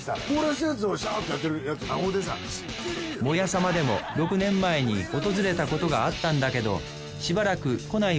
「モヤさま」でも６年前に訪れたことがあったんだけどしばらく来ない